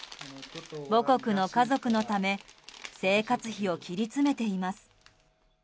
母国の家族のため生活費を切り詰めています。